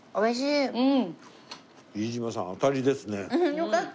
よかった！